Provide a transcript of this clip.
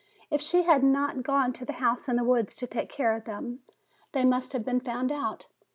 If she had not gone to the house in the woods to take care of them, they must have been found out.